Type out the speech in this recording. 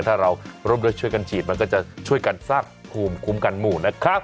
ถ้าเราร่วมด้วยช่วยกันฉีดมันก็จะช่วยกันสร้างภูมิคุ้มกันหมู่นะครับ